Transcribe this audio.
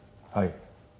はい。